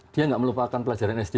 dia nggak melupakan pelajaran sd